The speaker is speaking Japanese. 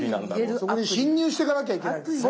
そこに進入してかなきゃいけないんですね。